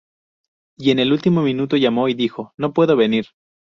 Y en el último minuto llamó y dijo: 'No puedo venir'".